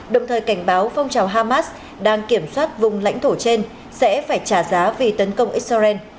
đồng thời cảnh báo phong trào hamas đang kiểm soát vùng lãnh thổ trên sẽ phải trả giá vì tấn công israel